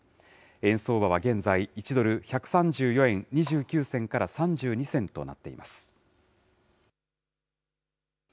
円相場は現在、１ドル１３４円２９銭から３２銭となっています。